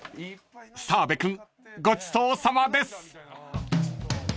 ［澤部君ごちそうさまです］